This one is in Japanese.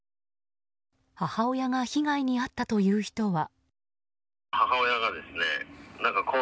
母親が被害に遭ったという人は。